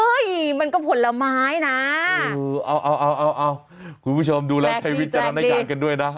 เอ้ยมันก็ผลไม้นะเอาคุณผู้ชมดูแล้วใครวิจารณญาณกันด้วยนะ